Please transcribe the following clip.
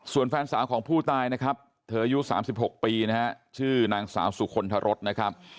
ส่วนแฟนสาของผูตายเธออยู่๓๖ปีชื่อนางสาวสุคลนรษนะครับ